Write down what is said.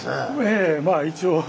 ええまあ一応。